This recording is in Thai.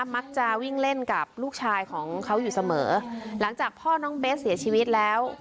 มักจะวิ่งเล่นกับลูกชายของเขาอยู่เสมอหลังจากพ่อน้องเบสเสียชีวิตแล้ว